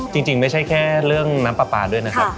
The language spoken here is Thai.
จริงไม่ใช่แค่เรื่องน้ำปลาปลาด้วยนะครับ